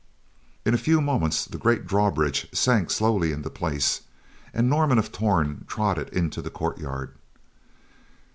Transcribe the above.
In a few moments, the great drawbridge sank slowly into place and Norman of Torn trotted into the courtyard.